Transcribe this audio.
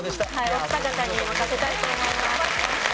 お二方に任せたいと思います。